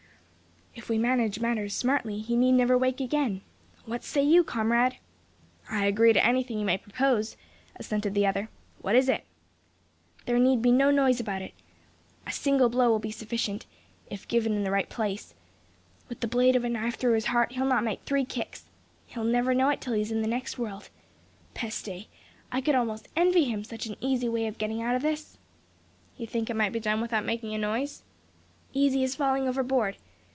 "If we manage matters smartly, he need never wake again. What say you, comrade?" "I agree to anything you may propose," assented the other. "What is it?" "There need be no noise about it. A single blow will be sufficient, if given in the right place. With the blade of a knife through his heart, he'll not make three kicks. He'll never know it till he's in the next world. Peste! I could almost envy him such an easy way of getting out of this!" "You think it might be done without making a noise?" "Easy as falling overboard.